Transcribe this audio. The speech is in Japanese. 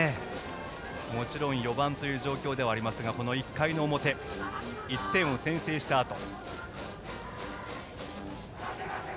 もちろん４番という状況ではありますがこの１回の表１点を先制したあと。